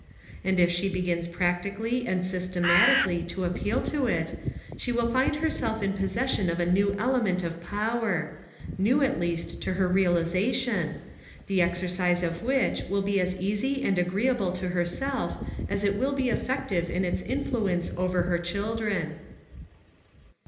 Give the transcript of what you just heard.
And if she begins practically and systematically to appeal to it, she will find herself in possession of a new element of power new, at least, to her realization the exercise of which will be as easy and agreeable to herself as it will be effective in its influence over her children.